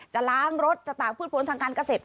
จะล้างรถจะตากพืชผลทางการเกษตร